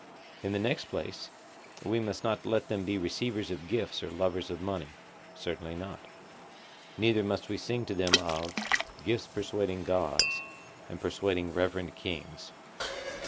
In the next place, we must not let them be receivers of gifts or lovers of money. Certainly not. Neither must we sing to them of 'Gifts persuading gods, and persuading reverend kings.